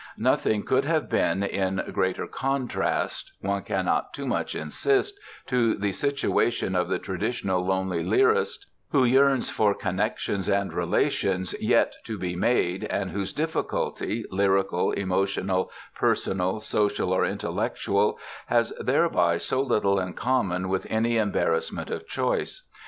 Nothing could have been in greater contrast, one cannot too much insist, to the situation of the traditional lonely lyrist who yearns for connections and relations yet to be made and whose difficulty, lyrical, emotional, personal, social or intellectual, has thereby so little in common with any embarrassment of choice.